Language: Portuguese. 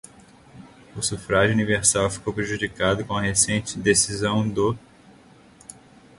o sufrágio universal ficou prejudicado com a recente decisão do